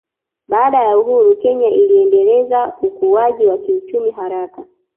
Baada ya uhuru Kenya iliendeleza ukuaji wa kiuchumi haraka